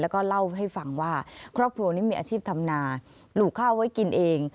แล้วก็เล่าให้ฟังว่าครอบครัวนี้มีอาชีพทำนาปลูกข้าวไว้กินเอง